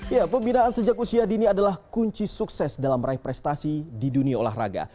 ya pembinaan sejak usia dini adalah kunci sukses dalam meraih prestasi di dunia olahraga